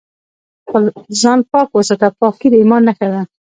خپل ځان پاک وساته ، پاکي د ايمان نښه ده